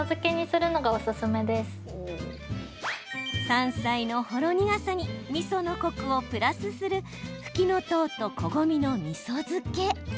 山菜のほろ苦さにみそのコクをプラスするふきのとうとこごみのみそ漬け。